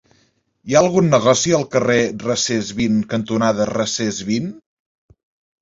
Hi ha algun negoci al carrer Recesvint cantonada Recesvint?